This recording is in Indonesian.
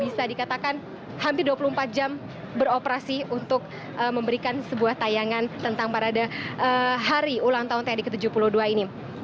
karena memang ini beginilah kondisi dari tim lapangan yang bisa dikatakan hampir dua puluh empat jam beroperasi untuk memberikan sebuah tayangan tentang pada hari ulang tahun tni ke tujuh puluh dua ini